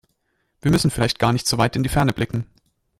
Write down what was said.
Wir müssen vielleicht gar nicht so weit in die Ferne blicken.